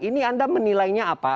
ini anda menilainya apa